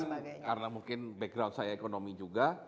tapi kebetulan karena mungkin background saya ekonomi juga